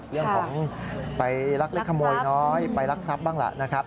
เรื่องของไปลักเล็กขโมยน้อยไปรักทรัพย์บ้างล่ะนะครับ